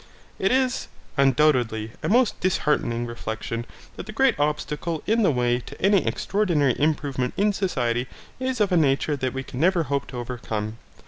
It is, undoubtedly, a most disheartening reflection that the great obstacle in the way to any extraordinary improvement in society is of a nature that we can never hope to overcome.